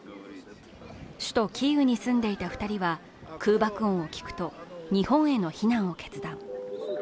首都キーウに住んでいた２人は、空爆音を聞くと、日本への避難を決断。